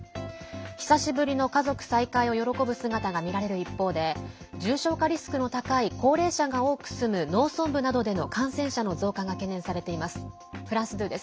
久しぶりの家族再会を喜ぶ姿が見られる一方で重症化リスクの高い高齢者が多く住む農村部などでの感染者の増加が懸念されています。